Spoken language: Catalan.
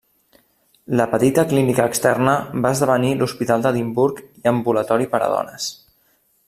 La petita clínica externa va esdevenir l'Hospital d'Edimburg i Ambulatori per a Dones.